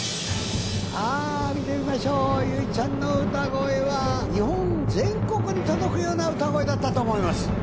さあ見てみましょう唯ちゃんの歌声は日本全国に届くような歌声だったと思います。